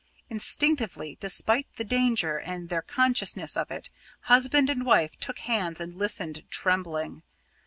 Instinctively, despite the danger and their consciousness of it, husband and wife took hands and listened, trembling.